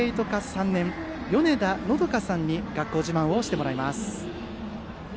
３年米田和加さんに学校自慢をしてもらいます。